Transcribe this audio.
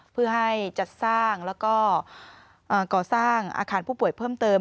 เพื่อให้จัดสร้างแล้วก็ก่อสร้างอาคารผู้ป่วยเพิ่มเติม